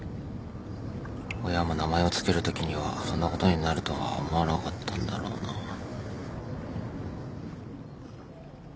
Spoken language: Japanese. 親も名前をつけるときにはそんなことになるとは思わなかったんだろうなぁ。